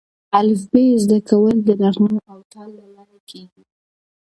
الفبې زده کول د نغمو او تال له لارې کېږي.